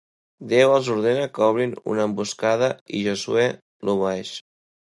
Déu els ordena que parin una emboscada i Josuè l'obeeix.